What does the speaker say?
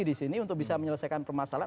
di sini untuk bisa menyelesaikan permasalahan